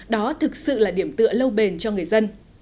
đó thực sự là điểm tựa lâu bền cho người dân